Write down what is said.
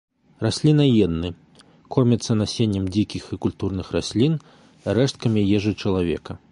Расліннаедны, корміцца насеннем дзікіх і культурных раслін, рэшткамі ежы чалавека.